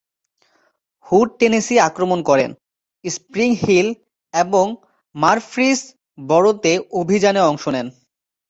Hood Tennessee আক্রমণ করেন, Spring Hill এবং মারফ্রিসবোরোতে অভিযানে অংশ নেন।